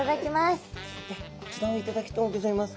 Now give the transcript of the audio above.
じゃこちらを頂きとうギョざいます。